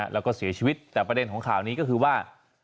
แล้วก็เสียชีวิตแต่ประเด็นของข่าวนี้ก็คือว่า